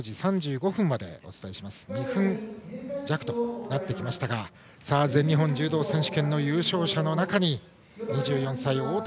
２分弱となってきましたが全日本柔道選手権の優勝者の中に２４歳、太田彪